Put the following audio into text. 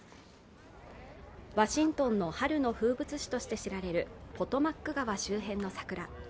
ワシントンの春の風物詩として知られるポトマック川周辺の桜。